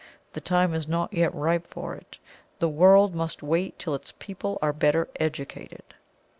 The time is not yet ripe for it. The world must wait till its people are better educated."